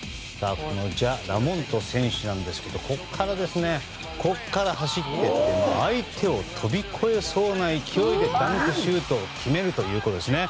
ジャ・モラント選手ですがここから走っていって相手を飛び越えそうな勢いでダンクシュートを決めるということですね。